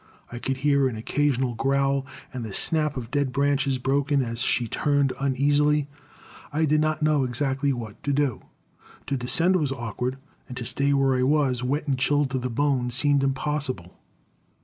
I could hear an occasional growl, and the snap of dead branches, broken as she turned uneasily. I did not know exactly what to do. To descend was awkward, and to stay where I was, wet and chilled to the bone, seemed impossible.